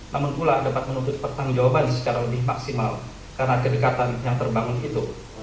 namun pula dapat menuntut pertanggung jawaban secara lebih maksimal karena kedekatan yang terbangun itu